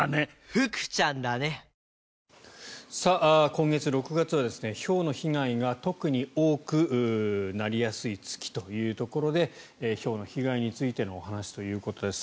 今月６月はひょうの被害が特に多くなりやすい月というところでひょうの被害についてのお話ということです。